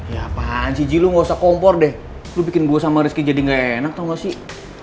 ya apaan sih ji lo gak usah kompor deh lo bikin gue sama rizky jadi gak enak tau gak sih